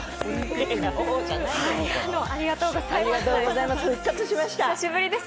ありがとうございます。